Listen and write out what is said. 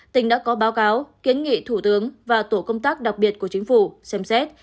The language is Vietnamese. tỉnh đã có báo cáo kiến nghị thủ tướng và tổ công tác đặc biệt của chính phủ xem xét